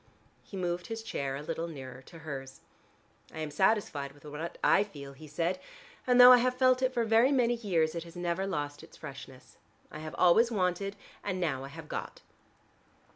He moved his chair a little nearer to hers. "I am satisfied with what I feel," he said. "And though I have felt it for very many years, it has never lost its freshness. I have always wanted, and now I have got."